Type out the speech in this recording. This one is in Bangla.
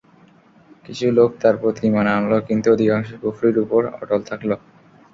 কিছু লোক তাঁর প্রতি ঈমান আনল, কিন্তু অধিকাংশই কুফরীর উপর অটল থাকল।